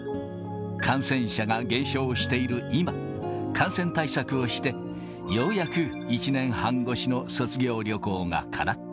感染者が減少している今、感染対策をして、ようやく１年半越しの卒業旅行がかなった。